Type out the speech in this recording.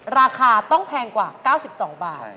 ราคาต้องแพงกว่า๙๒บาท